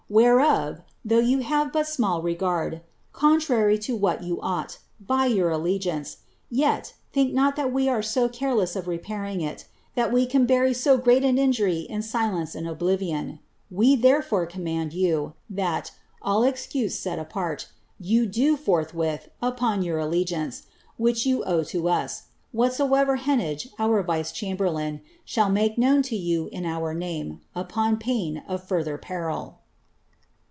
Whereof, though you have but small regard, •o what you ought, by 3rour allegiance, yet, think not that we are so of repairing it, that we can bury so great an injury in silence and obii ITe, therefore, command you, that, all excuse set apart, you do, fortliwith, ir allegiance, which you owe to us, whatsoever Heneage, our vice chani> ihall make known to you in our name, upon pain of further peril.'